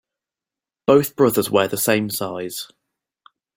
Both brothers wear the same size.